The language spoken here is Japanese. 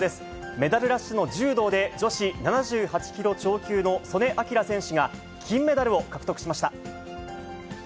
メダルラッシュの柔道で、女子７８キロ超級の素根輝選手が、金メダルを獲得しました。